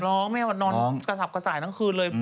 แม่นอนกระสับกระส่ายทั้งคืนเลย